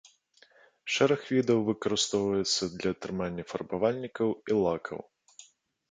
Шэраг відаў выкарыстоўваецца для атрымання фарбавальнікаў і лакаў.